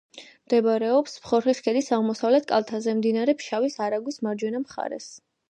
მდებარეობს ხორხის ქედის აღმოსავლეთ კალთაზე, მდინარე ფშავის არაგვის მარჯვენა მხარეს.